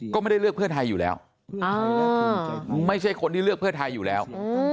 ก็ไม่ได้เลือกเพื่อไทยอยู่แล้วไม่ใช่คนที่เลือกเพื่อไทยอยู่แล้ว